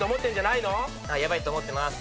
ヤバいと思ってまーす。